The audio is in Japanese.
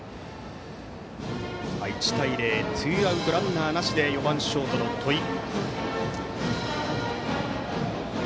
１対０、ツーアウトランナーなしで４番ショートの戸井。